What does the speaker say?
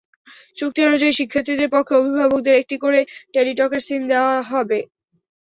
চুক্তি অনুযায়ী শিক্ষার্থীদের পক্ষে অভিভাবকদের একটি করে টেলিটকের সিম দেওয়া হবে।